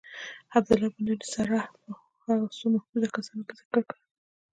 عبدالله بن ابی سرح په هغو څو محدودو کسانو کي ذکر کړ.